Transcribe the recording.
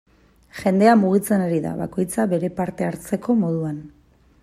Jendea mugitzen ari da, bakoitza bere parte hartzeko moduan.